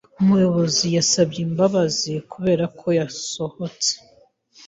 Umuyobozi yasabye imbabazi kuberako yasohotse.